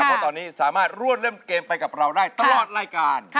เพราะตอนนี้สามารถร่วมเล่นเกมไปกับเราได้ตลอดรายการ